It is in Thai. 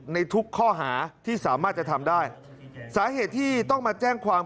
ในทุกข้อหาที่สามารถจะทำได้สาเหตุที่ต้องมาแจ้งความ